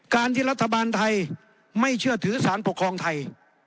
การที่รัฐบาลไทยไม่เชื่อถือสารปกครองไทย